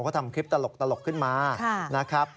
เขาทำคลิปตลกขึ้นมานะครับ